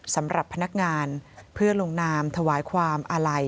สำหรับพนักงานเพื่อลงนามถวายความอาลัย